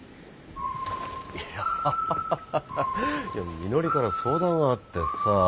いやハハハハハみのりから相談があってさ。